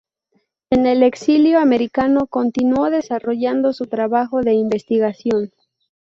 En el exilio americano continuó desarrollando su trabajo de investigación.